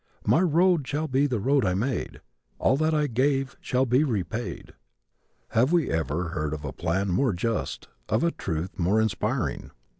My road shall be the road I made. All that I gave shall be repaid. Have we ever heard of a plan more just, of a truth more inspiring?